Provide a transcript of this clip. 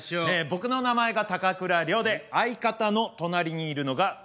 僕の名前が高倉陵で相方の隣にいるのが。